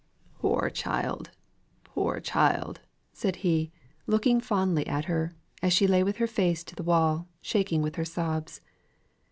"Poor child! poor child!" said he, looking fondly at her, as she lay with her face to the wall, shaking with her sobs.